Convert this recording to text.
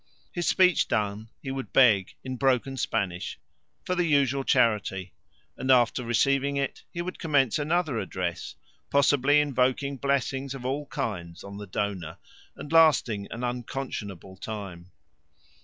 His speech done, he would beg, in broken Spanish, for the usual charity; and, after receiving it, he would commence another address, possibly invoking blessings of all kinds on the donor, and lasting an unconscionable time.